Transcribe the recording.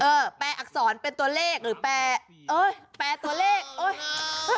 แปลอักษรเป็นตัวเลขหรือแปลเอ้ยแปรตัวเลขโอ๊ย